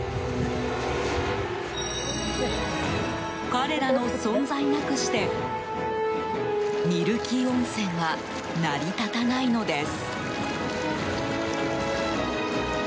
彼らの存在なくしてミルキー温泉は成り立たないのです。